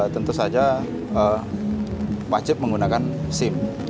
tentu saja wajib menggunakan sim